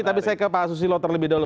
tapi saya ke pak susilo terlebih dahulu